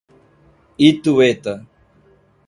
Itueta